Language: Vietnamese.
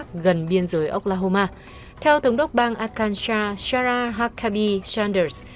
trên nền biên giới oklahoma theo thống đốc bang arkansas shara huckabee sanders